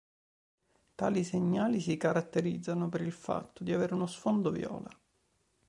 Tali segnali si caratterizzano per il fatto di avere uno sfondo viola.